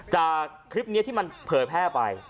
จากคลิปนี้ที่มันเผยแพร่ไป